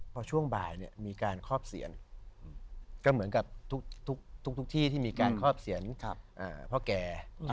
พอช่วงบ่ายมีการครอบเสียนก็เหมือนกับทุกที่ที่มีการครอบเสียนกับพ่อแก